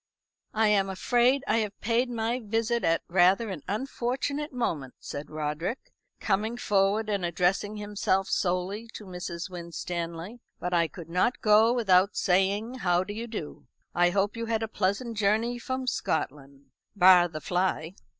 "I am afraid I have paid my visit at rather at unfortunate moment," said Roderick, coming forward and addressing himself solely to Mrs. Winstanley; "but I could not go without saying How do you do? I hope you had a pleasant journey from Scotland bar the fly."